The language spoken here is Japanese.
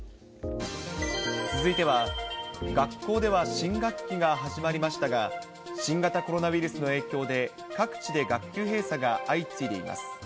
続いては、学校では新学期が始まりましたが、新型コロナウイルスの影響で、各地で学級閉鎖が相次いでいます。